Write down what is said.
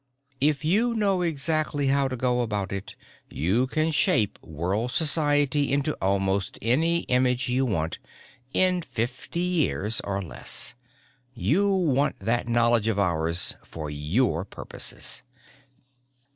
If you know exactly how to go about it you can shape world society into almost any image you want in fifty years or less! You want that knowledge of ours for your purposes!"